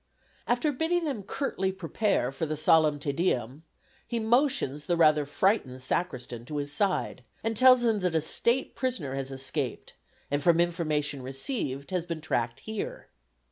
After bidding them curtly prepare for the solemn "Te Deum," he motions the rather frightened Sacristan to his side, and tells him that a State prisoner has escaped, and from information received has been tracked here.